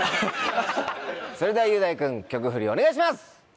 それでは雄大君曲フリお願いします！